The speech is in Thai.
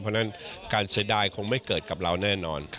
เพราะฉะนั้นการเสียดายคงไม่เกิดกับเราแน่นอน